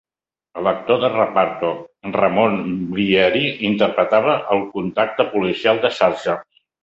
El actor de reparto Ramon Bieri interpretaba al contacto policial de Sarge.